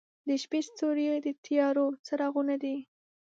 • د شپې ستوري د تیارو څراغونه دي.